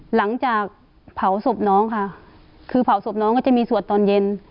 หลังจากเผาศพน้องค่ะคือเผาศพน้องก็จะมีสวดตอนเย็น